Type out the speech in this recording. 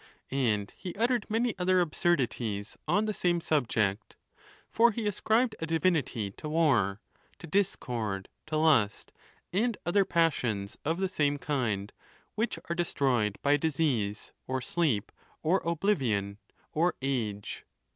And he uttered many other absurd ities on the same subject; for he ascribed a divinity to war, to discord, to lust, and other passions of the same kind, which are destroyed by disease, or sleep, or oblivion, or ago.